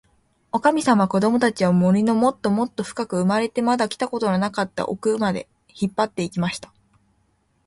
おかみさんは、こどもたちを、森のもっともっとふかく、生まれてまだ来たことのなかったおくまで、引っぱって行きました。